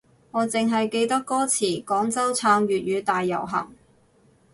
我淨係記得歌詞廣州撐粵語大遊行